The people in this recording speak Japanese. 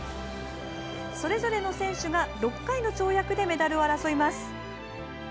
それぞれの選手が６回の跳躍でメダルを争います。